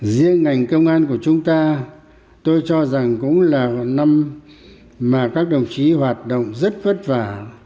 giữa ngành công an của chúng ta tôi cho rằng cũng là một năm mà các đồng chí hoạt động rất vất vả